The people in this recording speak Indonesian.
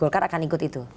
golkar akan ikut itu